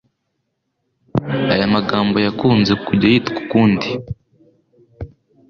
Aya magambo yakunze kujya yitwa ukundi